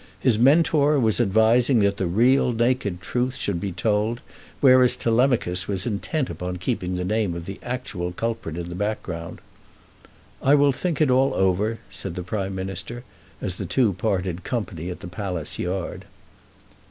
His Mentor was advising that the real naked truth should be told, whereas Telemachus was intent upon keeping the name of the actual culprit in the background. "I will think it all over," said the Prime Minister as the two parted company at Palace Yard.